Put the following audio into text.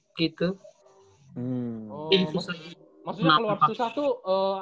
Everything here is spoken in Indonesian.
maksudnya keluar susah tuh